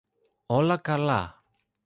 όλα καλά